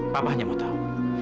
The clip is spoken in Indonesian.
papa hanya mau tahu